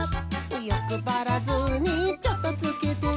「よくばらずにチョットつけて」